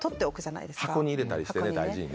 箱に入れたりして大事にね。